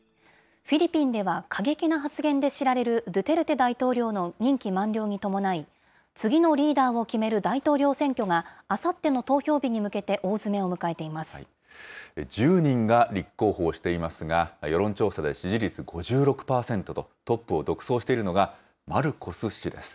フィリピンでは、過激な発言で知られるドゥテルテ大統領の任期満了に伴い、次のリーダーを決める大統領選挙が、あさっての投票日に向けて大詰めを１０人が立候補していますが、世論調査で支持率５６％とトップを独走しているのが、マルコス氏です。